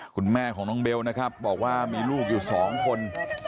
คุณแม่ของน้องเบลนะครับบอกว่ามีลูกอยู่สองคน